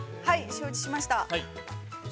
◆承知しました。